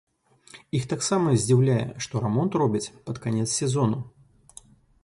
Іх таксама здзіўляе, што рамонт робяць пад канец сезону.